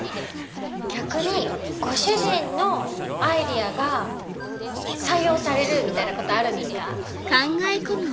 逆にご主人のアイデアが採用されることあるんですか？